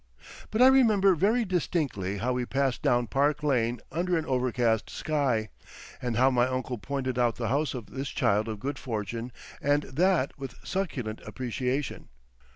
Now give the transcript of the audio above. But I remember very distinctly how we passed down Park Lane under an overcast sky, and how my uncle pointed out the house of this child of good fortune and that with succulent appreciation.